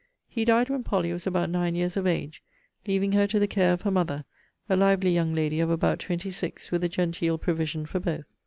He died when Polly was about nine years of age, leaving her to the care of her mother, a lively young lady of about twenty six; with a genteel provision for both.